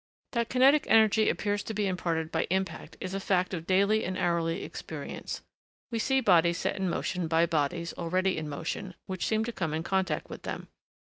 That kinetic energy appears to be imparted by impact is a fact of daily and hourly experience: we see bodies set in motion by bodies, already in motion, which seem to come in contact with them.